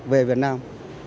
về việt nam